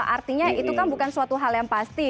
artinya itu kan bukan suatu hal yang pasti